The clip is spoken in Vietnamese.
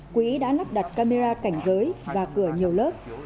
quỹ đã lắp đặt camera cảnh giới và cửa nhiều lớp